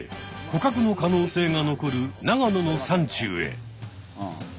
ほかくの可能性が残る長野の山中へ。